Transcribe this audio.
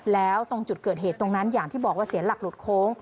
แล้วตรงจุดเกิดเหตุตรงนั้นอย่างที่บอกว่าเสียหลักหลุดโค้ง